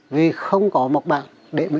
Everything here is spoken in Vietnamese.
vì không có một bạn để mà in tranh